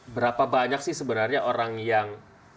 berapa banyak sih sebenarnya orang yang